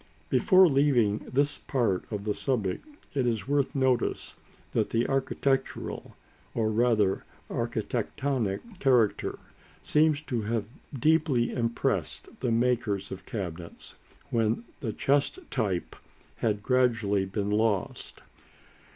Before leaving this part of the subject, it is worth notice that the architectural, or rather architectonic, character seems to have deeply impressed the makers of cabinets when the chest type had gradually been lost.